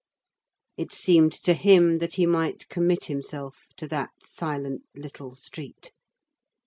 It seemed to him that he might commit himself to that silent little street.